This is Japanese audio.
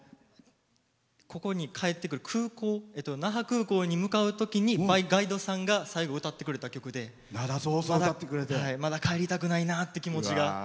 ここに帰ってくる空港那覇空港に向かうときのガイドさんが、最後歌ってくれた曲でまだ帰りたくないなっていう気持ちが。